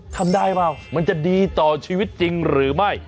ทำได้เปล่ามันจะดีต่อชีวิตจริงหรือไม่